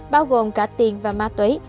bao gồm cả tiền và ma túy